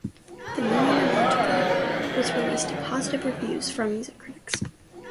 "The Moon and Antarctica" was released to positive reviews from music critics.